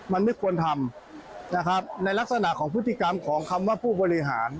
มันไม่ควรทำนะครับในลักษณะของพฤติกรรมของคำว่าผู้บริหาร